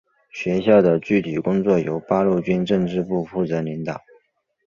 学校的具体工作由八路军政治部负责领导。